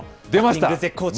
絶好調。